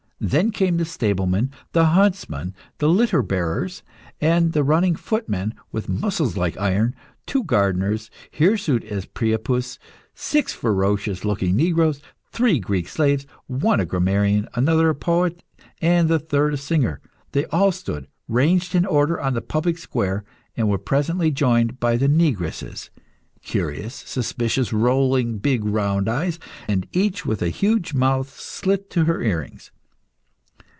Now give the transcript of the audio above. Then came the stablemen, the huntsmen, the litter bearers, and the running footmen with muscles like iron, two gardeners hirsute as Priapus, six ferocious looking negroes, three Greek slaves one a grammarian, another a poet, and the third a singer. They all stood, ranged in order, on the public square, and were presently joined by the negresses curious, suspicious, rolling big round eyes, and each with a huge mouth slit to her earrings.